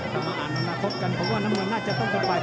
มาอ่านอนาคตกันเพราะว่าน้ำเงินน่าจะต้องกลับไป